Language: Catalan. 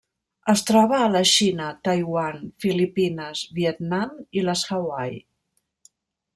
Es troba a la Xina, Taiwan, Filipines, Vietnam i les Hawaii.